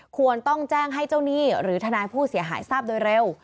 ควรต้องแจ้งให้เจ้าหนี้หรือทนายผู้เสียหายทราบโดยเร็ว